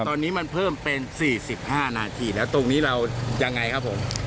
ตอนนี้มันเพิ่มเป็น๔๕นาทีแล้วตรงนี้เรายังไงครับผม